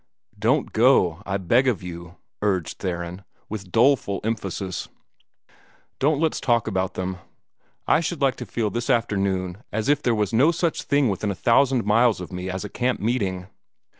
"Don't go, I beg of you!" urged Theron, with doleful emphasis. "Don't let's even talk about them. I should like to feel this afternoon as if there was no such thing within a thousand miles of me as a camp meeting.